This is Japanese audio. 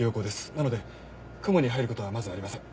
なので雲に入ることはまずありません。